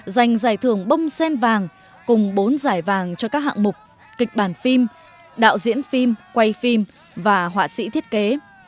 giành giải thưởng bông sen vàng cùng bốn giải vàng cho các hạng mục kịch bản phim đạo diễn phim quay phim và họa sĩ thiết kế